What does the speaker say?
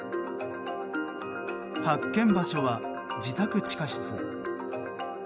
発見場所は自宅地下室。